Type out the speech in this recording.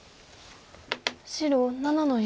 白７の四。